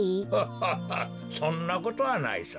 アハハそんなことはないさ。